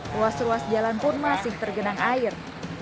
ruas ruas jalan pun masih tergenang air